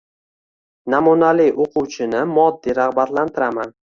Namunali o‘quvchini moddiy rag‘batlantiraman.